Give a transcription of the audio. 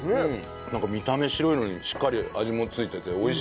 なんか見た目白いのにしっかり味も付いてて美味しいですね。